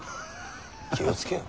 気を付けよ。